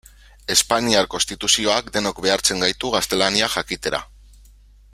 Espainiar Konstituzioak denok behartzen gaitu gaztelania jakitera.